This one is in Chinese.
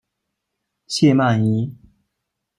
谢曼怡。